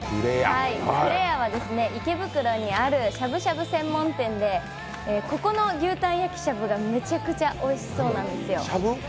紅れやは池袋にあるしゃぶしゃぶ専門店でここの牛タン焼きしゃぶが、めちゃくちゃおいしそうなんですよ。